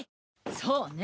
そうねぇ。